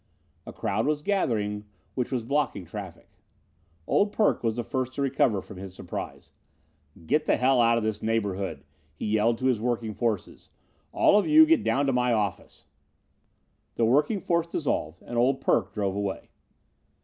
A crowd was gathering which was blocking traffic. "Old Perk" was the first to recover from his surprise. "Get the hell out of this neighborhood," he yelled to his working forces. "All of you get down to my office!" The working force dissolved and "Old Perk" drove away.